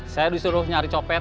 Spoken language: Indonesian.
saya disuruh nyari copet